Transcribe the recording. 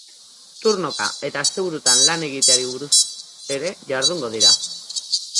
Turnoka eta asteburuetan lan egiteari buruz ere jardungo dira.